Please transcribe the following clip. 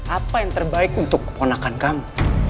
apa yang terbaik untuk keponakan kamu